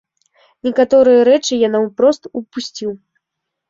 Некаторыя рэчы я наўпрост упусціў.